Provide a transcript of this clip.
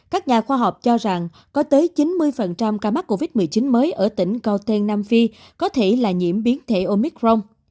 các nhà khoa học cho rằng có tới chín mươi ca mắc covid một mươi chín mới ở tỉnh conten nam phi có thể là nhiễm biến thể omicron